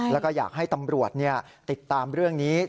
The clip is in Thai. แล้วก็อยากให้ตำรวจติดตามเรื่องนี้